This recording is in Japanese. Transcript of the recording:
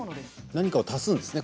何かを足すんですね